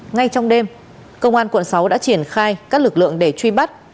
ngay trong đêm công an quận sáu đã triển khai các lực lượng để truy bắt